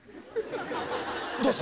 どうした？